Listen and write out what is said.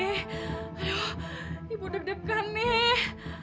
ibu deg degan nih